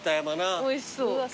おいしそう。